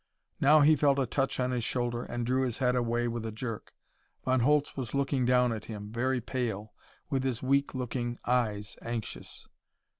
Now he felt a touch on his shoulder and drew his head away with a jerk. Von Holtz was looking down at him, very pale, with his weak looking eyes anxious.